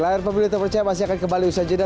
layar pemilu tau percaya masih akan kembali usaha jeda